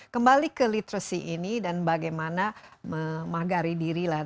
kembali ke literacy ini dan bagaimana memagari diri lah